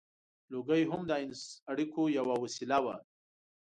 • لوګی هم د اړیکو یوه وسیله وه.